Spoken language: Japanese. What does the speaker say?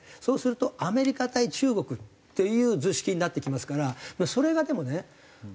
そうするとアメリカ対中国っていう図式になってきますからそれがでもね